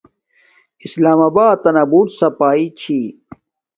اسلام آباتنا بوت ساپاݵی چھی